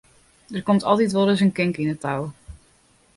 Der komt altyd wolris in kink yn 't tou.